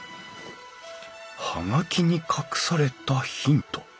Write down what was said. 葉書に隠されたヒント。